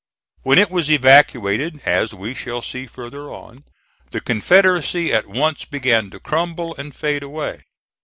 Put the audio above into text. When it was evacuated (as we shall see further on), the Confederacy at once began to crumble and fade away.